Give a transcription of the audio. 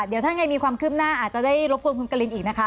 ได้ค่ะเดี๋ยวถ้าอย่างไรมีความขึ้นหน้าอาจจะได้รบควรคุมกระลินอีกนะคะ